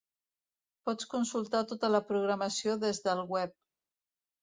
Pots consultar tota la programació des del web.